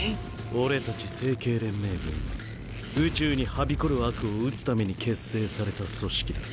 俺たち星系連盟軍は宇宙にはびこる悪を討つために結成された組織だ。